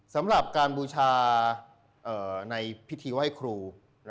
สำหรับการบูชาในพิธีไหว้ครู